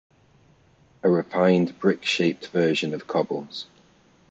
A refined brick shaped version of cobbles.